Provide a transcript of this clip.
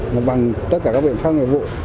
và bằng tất cả các biển pháp nghiệp vụ